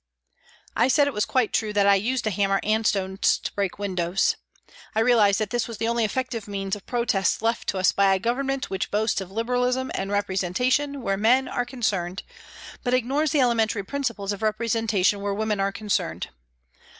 I said it was quite true that I used a hammer and stones to break windows. I realised that this was the only effective means of protest left to us by a Government which boasts of Liberalism and representation where men are con cerned, but ignores the elementary principles of representation where women are concerned.